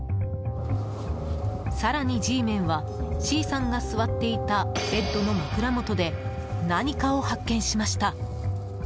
更に、ＧメンはＣさんが座っていたベッドの枕元で何かを発見しました。